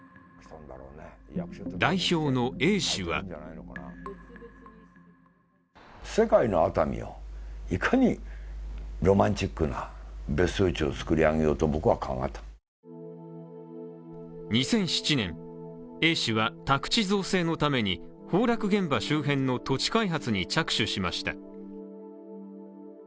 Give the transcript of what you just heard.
代表のＡ氏は２００７年、Ａ氏は宅地造成のために崩落現場周辺の土地開発に着手しました。